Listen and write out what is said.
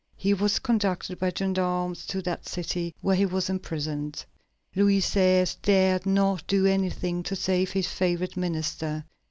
He was conducted by gendarmes to that city, where he was imprisoned. Louis XVI. dared not do anything to save his favorite minister.